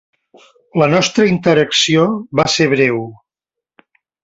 La nostra interacció va ser breu.